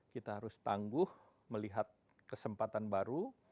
kita harus tangguh melihat kesempatan baru